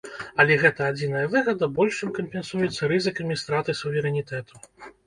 Але гэтая адзіная выгада больш чым кампенсуецца рызыкамі страты суверэнітэту.